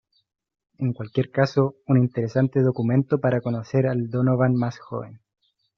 En cualquier caso, un interesante documento para conocer al Donovan más joven.